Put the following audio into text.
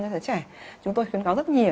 cho đứa trẻ chúng tôi khuyến cáo rất nhiều